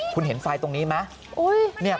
คุณเห็นไฟตรงนี้ไหม